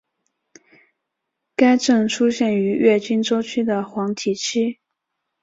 该症出现于月经周期的黄体期。